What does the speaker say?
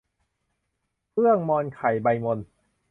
เอื้องมอนไข่ใบมน